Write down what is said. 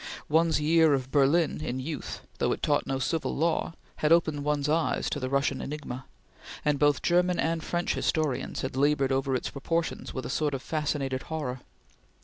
One's year of Berlin in youth, though it taught no Civil Law, had opened one's eyes to the Russian enigma, and both German and French historians had labored over its proportions with a sort of fascinated horror.